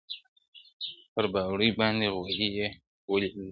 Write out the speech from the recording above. • پر باوړۍ باندي غویی یې وو لیدلی -